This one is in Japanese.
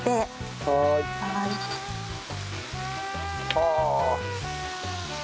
はあ！